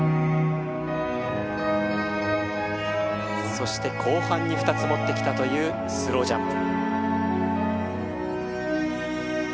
そして後半に２つ持ってきたというスロージャンプ。